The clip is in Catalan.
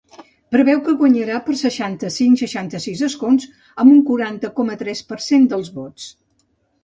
Preveu que guanyarà per seixanta-cinc-seixanta-sis escons, amb un quaranta coma tres per cent dels vots.